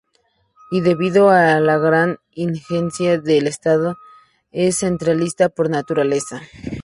Y debido a la gran injerencia del Estado es centralista por naturaleza.